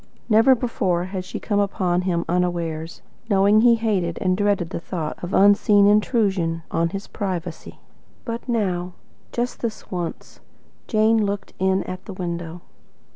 Never before had she come upon him unawares, knowing he hated and dreaded the thought of an unseen intrusion on his privacy. But now just this once Jane looked in at the window.